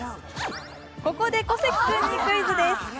ここで小関君にクイズです。